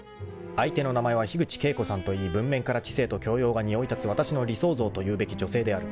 ［相手の名前は樋口景子さんといい文面から知性と教養がにおい立つわたしの理想像というべき女性である］